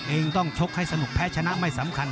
เองต้องชกให้สนุกแพ้ชนะไม่สำคัญ